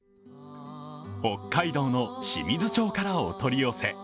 北海道の清水町からお取り寄せ。